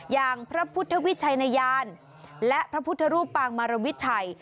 อย่างพระพุทธวิชัยนายานและพระพุทธรูปปางมารวิชัย